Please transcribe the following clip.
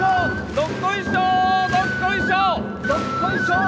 どっこいしょー